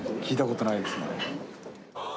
聞いたことないですね。